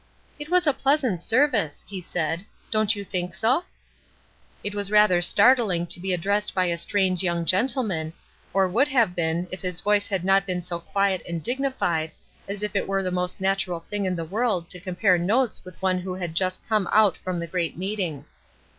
"It was a pleasant service," he said. "Don't you think so?" It was rather startling to be addressed by a strange young gentleman, or would have been it his voice had not been so quiet and dignified, as if it were the most natural thing in the world to compare notes with one who had just come out from the great meeting.